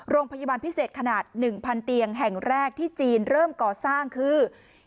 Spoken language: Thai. โรงพยาบาลพิเศษขนาด๑๐๐เตียงแห่งแรกที่จีนเริ่มก่อสร้างคือ